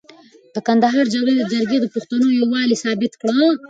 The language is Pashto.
د کندهار جرګې د پښتنو یووالی ثابت کړ.